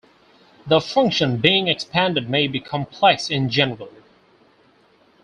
The function being expanded may be complex in general.